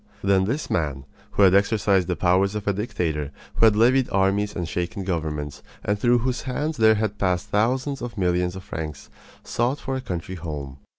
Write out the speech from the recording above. Then this man, who had exercised the powers of a dictator, who had levied armies and shaken governments, and through whose hands there had passed thousands of millions of francs, sought for a country home.